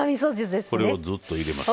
これをジュッと入れます。